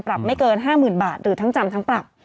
ปรับไม่เกิน๕๐๐๐๐บาทหรือทั้งจำถัดปรับ